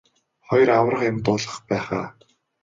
Хоёр аварга юм дуулгах байх аа.